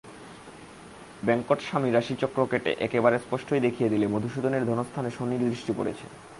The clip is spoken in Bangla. বেঙ্কটস্বামী রাশিচক্র কেটে একেবারে স্পষ্টই দেখিয়ে দিলে মধুসূদনের ধনস্থানে শনির দৃষ্টি পড়েছে।